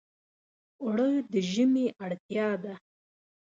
اوړه د ژمي اړتیا ده